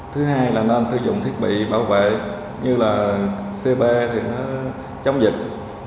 thứ hai là nên sử dụng thiết bị bảo vệ như là cb thì nó chống dịch